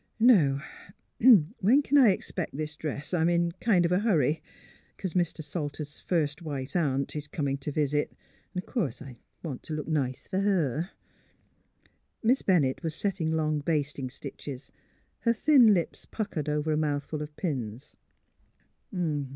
Now when c'n I expect this dress? I'm in kind of a hurry, because Mr. Sal ter's first wife's aunt is comin' t' visit, an' of course I want t' look nice fer her." Miss Bennett was setting long basting stitches, her thin lips puckered over a mouthful of pins.